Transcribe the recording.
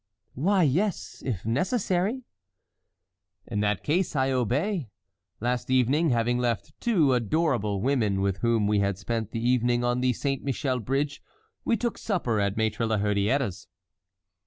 "Why, yes; if necessary." "In that case I obey. Last evening, having left two adorable women with whom we had spent the evening on the Saint Michel bridge, we took supper at Maître La Hurière's."